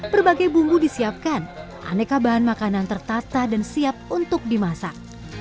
berbagai bumbu disiapkan aneka bahan makanan tertata dan siap untuk dimasak